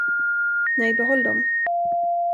Nej, behåll dem.